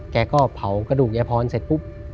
แกก็เผากระดูกยายพรเสร็จปุ๊บ